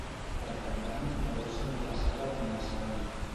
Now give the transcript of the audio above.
Per Cap d'Any na Dolça anirà a la Serra d'en Galceran.